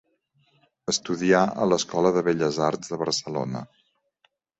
Estudià a l'Escola de Belles Arts de Barcelona.